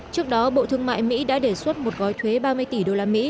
trước đó bộ thương mại mỹ đã đề xuất một gói thuế ba mươi tỷ usd